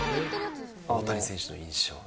大谷選手の印象は。